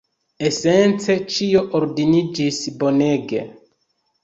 Esence, ĉio ordiĝis bonege.